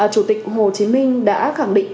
chủ tịch hồ chí minh đã khẳng định